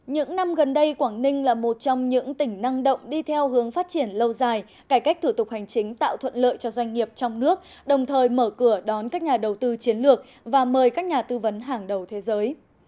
những năm gần đây quảng ninh là một trong những tỉnh năng động đi theo hướng phát triển lâu dài cải cách thủ tục hành chính tạo thuận lợi cho doanh nghiệp trong nước đồng thời mở cửa đón các nhà đầu tư chiến lược và mời các nhà tư vấn hàng đầu thế giới